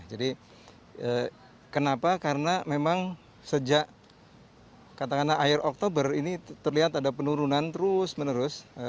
jadi kenapa karena memang sejak kata kata akhir oktober ini terlihat ada penurunan terus menerus